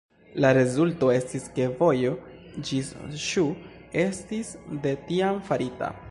La rezulto estis ke vojo ĝis Ŝu estis de tiam farita.